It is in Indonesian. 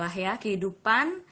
ya beginilah ya kehidupan